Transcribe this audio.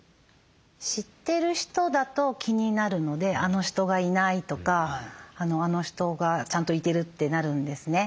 知ってる人だと気になるので「あの人がいない」とか「あの人がちゃんといてる」ってなるんですね。